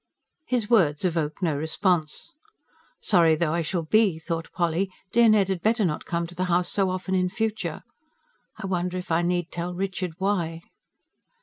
His words evoked no response. Sorry though I shall be, thought Polly, dear Ned had better not come to the house so often in future. I wonder if I need tell Richard why.